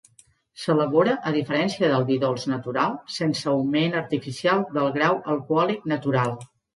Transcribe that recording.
S'elabora, a diferència del vi dolç natural, sense augment artificial del grau alcohòlic natural.